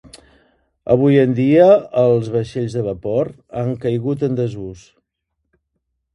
Avui en dia els vaixells de vapor han caigut en desús.